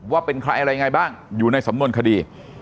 ว่าเป็นใครอะไรยังไงบ้างอยู่ในสำนวนคดี